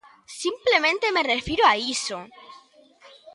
Simplemente me refiro a iso.